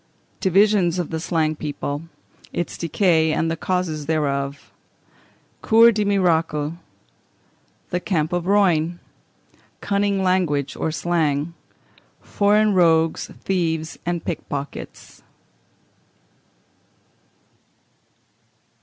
Divisions of the Slang People; its Decay and the Causes thereof. Cours des Miracles. The Camp of Rognes. Cunning Language, or Slang. Foreign Rogues, Thieves, and Pickpockets.